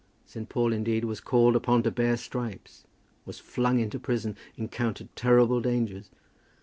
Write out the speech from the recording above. St. Paul, indeed, was called upon to bear stripes, was flung into prison, encountered terrible dangers.